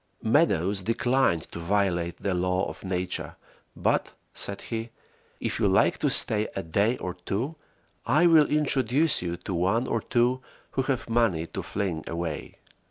Meadows declined to violate the laws of Nature, but, said he, "If you like to stay a day or two I will introduce you to one or two who have money to fling away."